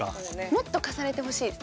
もっと重ねてほしいです。